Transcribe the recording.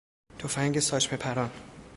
تفنگ ساچمه پران